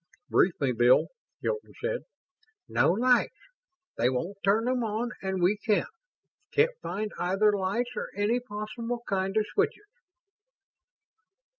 "Brief me, Bill," Hilton said. "No lights. They won't turn 'em on and we can't. Can't find either lights or any possible kind of switches."